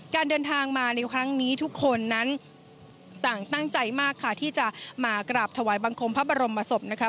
การเดินทางมาในครั้งนี้ทุกคนนั้นต่างตั้งใจมากค่ะที่จะมากราบถวายบังคมพระบรมศพนะคะ